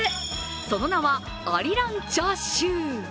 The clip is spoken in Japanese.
その名はアリランチャーシュー。